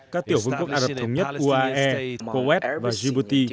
các tiểu vương quốc ả rập thống nhất uae coes và djibouti